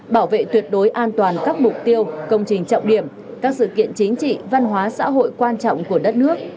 bảo vệ tuyệt đối an toàn các mục tiêu công trình trọng điểm các sự kiện chính trị văn hóa xã hội quan trọng của đất nước